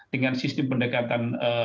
dengan sistem pendekatan